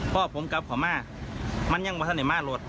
เพราะผมกลับขอมามันยังมาทั่วในมารถ